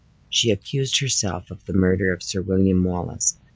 She accused herself of the murder of Sir William Wallace.